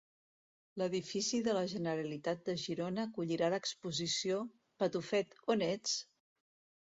L'edifici de la Generalitat de Girona acollirà l'exposició "Patufet, on ets?".